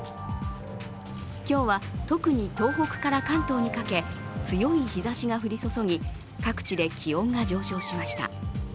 今日は、特に東北から関東にかけ強い日ざしが降り注ぎ、各地で気温が上昇しました。